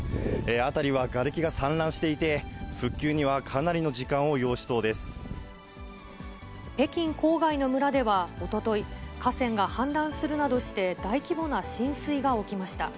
辺りはがれきが散乱していて、復旧にはかなりの時間を擁しそう北京郊外の村では、おととい、河川が氾濫するなどして大規模な浸水が起きました。